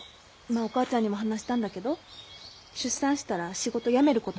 今お母ちゃんにも話したんだけど出産したら仕事辞めることにしたから。